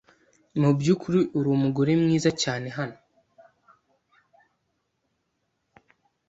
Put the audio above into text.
Mubyukuri uri umugore mwiza cyane hano.